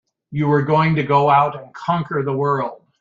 You were going to go out and conquer the world!